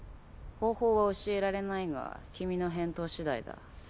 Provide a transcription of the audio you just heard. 方法は教えられないが君の返答しだいだ。